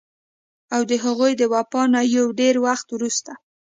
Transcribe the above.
او د هغوي د وفات نه يو ډېر وخت وروستو